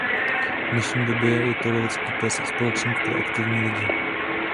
V dnešní době je to lovecký pes i společník pro aktivní lidi.